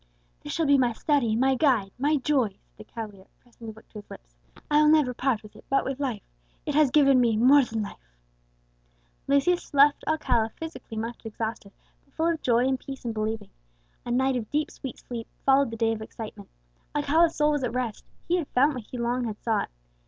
"This shall be my study, my guide, my joy!" said the cavalier, pressing the book to his lips. "I will never part with it but with life; it has given me more than life!" Lucius left Alcala physically much exhausted, but full of joy and peace in believing. A night of deep sweet sleep followed the day of excitement. Alcala's soul was at rest; he had found what he long had sought.